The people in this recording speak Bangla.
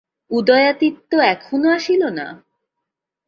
উদয়াদিত্য এখনও আসিল না?